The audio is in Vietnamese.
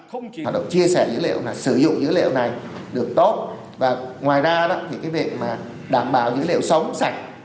hợp đồng chia sẻ dữ liệu là sử dụng dữ liệu này được tốt và ngoài ra thì cái việc đảm bảo dữ liệu sống sạch